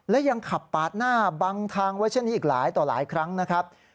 และยังขับปาดหน้าบังทางไว้เช่นนี้อีกหลายต่อหลายครั้งนะครับ